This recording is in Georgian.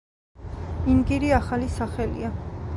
ინგირი ახალი სახელია.